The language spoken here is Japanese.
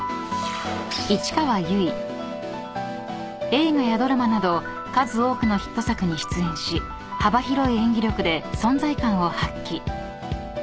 ［映画やドラマなど数多くのヒット作に出演し幅広い演技力で存在感を発揮］